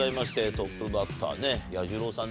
トップバッター彌十郎さん